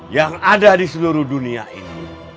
yang ada di seluruh dunia ini